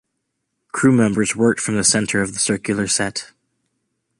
Crew members worked from the center of the circular set.